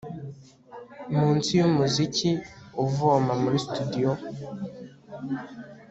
munsi yumuziki uvoma muri studio